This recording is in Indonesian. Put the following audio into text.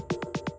aku mau ke rumah